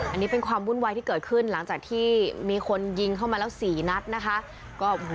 อันนี้เป็นความวุ่นวายที่เกิดขึ้นหลังจากที่มีคนยิงเข้ามาแล้ว๔นัดนะคะ